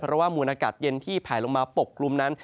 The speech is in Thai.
เพราะว่ามูลอากาศเย็นที่แผลลงมาปกกลุ่มนั้น